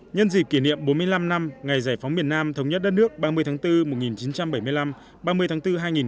nhân dịp kỷ niệm bốn mươi năm năm ngày giải phóng miền nam thống nhất đất nước ba mươi tháng bốn một nghìn chín trăm bảy mươi năm ba mươi tháng bốn hai nghìn hai mươi